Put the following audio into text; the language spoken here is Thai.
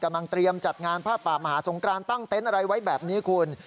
กำลังเตรียมจัดงานภาพประมหาสงครานตั้งเต้นอะไรไว้แบบนี้คุณ